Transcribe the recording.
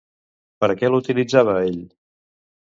Per a què l'utilitzava, ell?